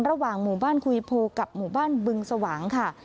ระหว่างหมู่บ้านคุยโพกับหมู่บ้านบึงสว่างค่ะ